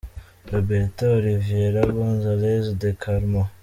Roberto Oliviera Gons Alvez de Carmo .